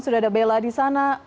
sudah ada bella di sana